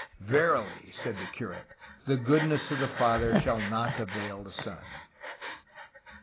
'Terily,'' said the curate, "the goodness of the father shall not avail the son.'